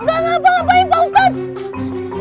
enggak ngapain pak ustadz